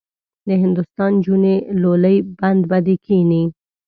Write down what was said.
د هندوستان نجونې لولۍ بند به دې کیني.